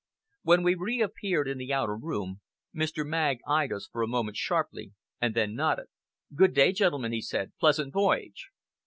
When we reappeared in the outer room, Mr. Magg eyed us for a moment sharply, and then nodded. "Good day, gentlemen!" he said. "Pleasant voyage!"